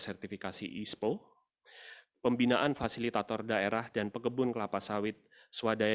sertifikasi ispo pembinaan fasilitator daerah dan pekebun kelapa sawit swadaya